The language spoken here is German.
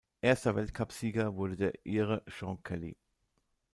Erster Weltcupsieger wurde der Ire Sean Kelly.